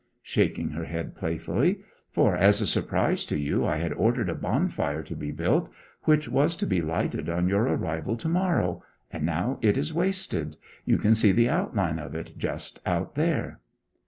(shaking her head playfully) 'for as a surprise to you I had ordered a bonfire to be built, which was to be lighted on your arrival to morrow; and now it is wasted. You can see the outline of it just out there.'